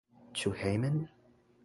Ĉu hejmen?